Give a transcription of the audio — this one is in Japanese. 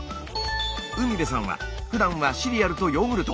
海辺さんはふだんはシリアルとヨーグルト。